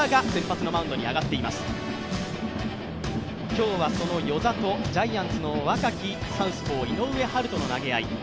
今日はその與座とジャイアンツの若きサウスポー、井上温大の投げ合い。